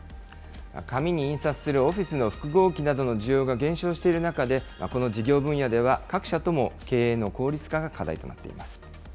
紙に印刷するオフィスの複合機などの需要が減少している中で、この事業分野では、各社とも経営の効率化が課題となっています。